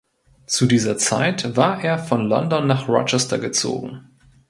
Zu dieser Zeit war er von London nach Rochester gezogen.